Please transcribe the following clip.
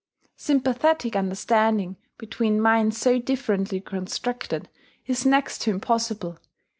Sympathethic understanding, between minds so differently constructed, is next to impossible.